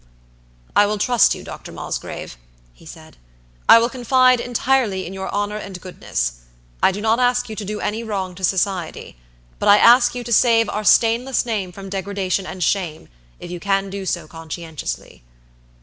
"I will trust you, Dr. Mosgrave," he said. "I will confide entirely in your honor and goodness. I do not ask you to do any wrong to society; but I ask you to save our stainless name from degradation and shame, if you can do so conscientiously."